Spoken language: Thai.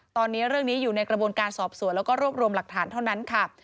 ตอนนี้เรื่องนี้อยู่ในกระบวนการสอบสวนแล้วก็รวบรวมหลักฐานเท่านั้นค่ะ